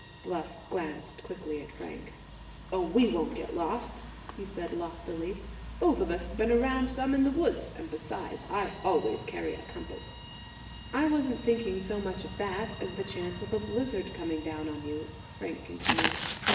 Bluff glanced quickly at Frank. "Oh, we won't get lost!" he said loftily. "Both of us have been around some in the woods; and, besides, I always carry a compass." "I wasn't thinking so much of that as the chance of a blizzard coming down on you," Frank continued.